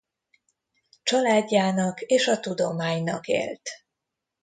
Családjának és a tudománynak élt.